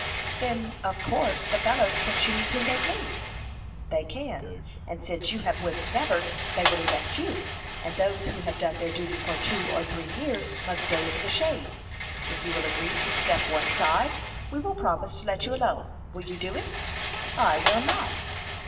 "Then, of course, the fellows can choose whom they please." "They can; and since you have whipped Nevers, they will elect you; and those who have done their duty for two or three years must go into the shade. If you will agree to step one side, we will promise to let you alone. Will you do it?" "I will not."